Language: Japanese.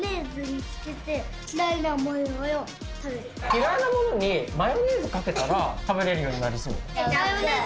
嫌いなものにマヨネーズかけたら食べれるようになりそう？